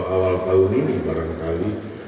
awal tahun ini barangkali